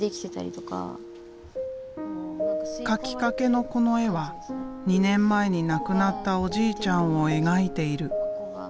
描きかけのこの絵は２年前に亡くなったおじいちゃんを描いている。